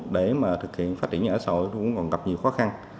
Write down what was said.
để mà thực hiện phát triển nhà ở xã hội thì cũng còn gặp nhiều khó khăn